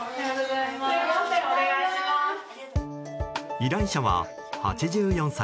依頼者は８４歳。